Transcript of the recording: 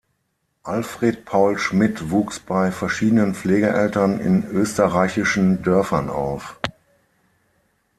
Alfred Paul Schmidt wuchs bei verschiedenen Pflegeeltern in österreichischen Dörfern auf.